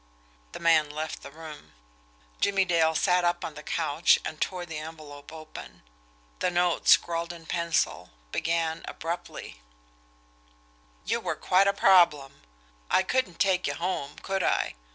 The man left the room. Jimmie Dale sat up on the couch, and tore the envelope open. The note, scrawled in pencil, began abruptly: "You were quite a problem. I couldn't take you HOME could I?